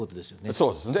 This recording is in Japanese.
そうですね。